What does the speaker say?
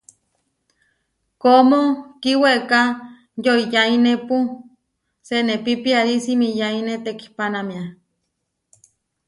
Kómo kiweká yoʼiyáinepu senépi piarí simiyáine tekihpánamia.